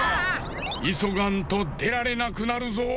いそがんとでられなくなるぞ！